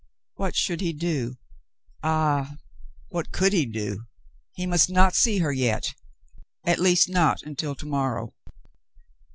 What should he do "^ Ah, what could he do ^ He must not see her yet — at least not until to morrow.